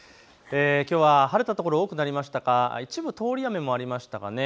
きょうは晴れた所、多くなりましたが一部通り雨もありましたかね。